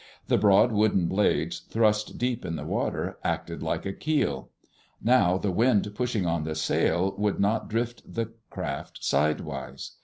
The broad wooden blades, thrust deep in the water, acted like a keel. Now the wind pushing on the sail would not drift the craft sidewise.